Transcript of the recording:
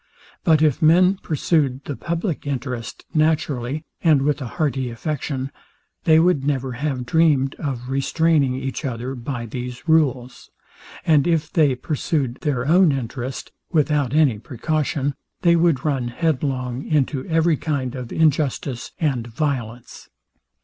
But if men pursued the publick interest naturally, and with a hearty affection, they would never have dreamed of restraining each other by these rules; and if they pursued their own interest, without any precaution, they would run head long into every kind of injustice and violence.